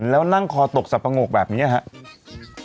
แล้วนั่งคอตกสับปะโงกแบบนี้ครับ